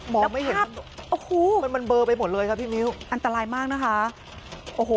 ไม่เห็นโอ้โหมันมันเบอร์ไปหมดเลยครับพี่มิ้วอันตรายมากนะคะโอ้โห